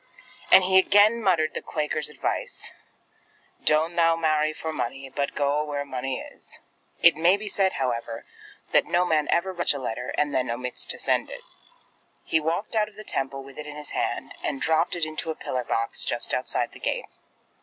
And he again muttered the Quaker's advice, "Doan't thou marry for munny, but goa where munny is!" It may be said, however, that no man ever writes such a letter, and then omits to send it. He walked out of the Temple with it in his hand, and dropped it into a pillar letter box just outside the gate.